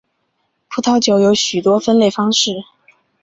葡萄酒有许多分类方式。